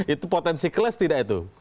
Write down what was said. itu potensi kelas tidak itu